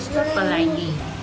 terus suka pelangi